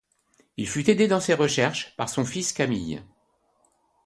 Il fut aidé dans ses recherches par son fils Camille.